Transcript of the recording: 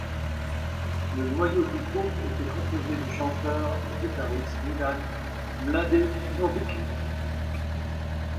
Le noyau du groupe était composé du chanteur et guitariste Milan Mladenović.